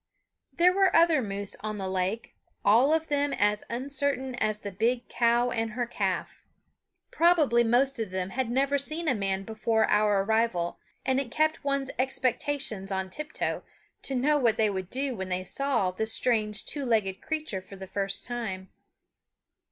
There were other moose on the lake, all of them as uncertain as the big cow and her calf. Probably most of them had never seen a man before our arrival, and it kept one's expectations on tiptoe to know what they would do when they saw the strange two legged creature for the first time.